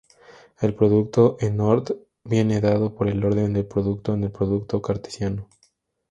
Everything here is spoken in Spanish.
El producto en Ord viene dado por el orden producto en el producto cartesiano.